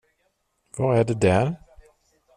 Vad är det där?